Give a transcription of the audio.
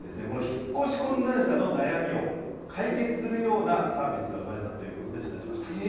この引っ越し困難者の悩みを解決するようなサービスが生まれたということで取材しました。